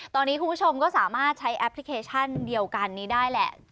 ตอนนี้คุณผู้ชมก็สามารถใช้แอปพลิเคชันเดียวกันนี้ได้แหละ